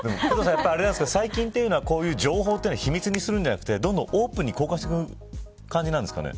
最近というのはこういう情報は秘密にするんじゃなくてどんどんオープンに公開していく感じなんですかね。